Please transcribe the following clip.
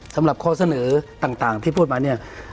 สำหรับข้อเสนอต่างที่พูดมาเนี่ย